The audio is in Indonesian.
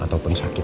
atau pun sakit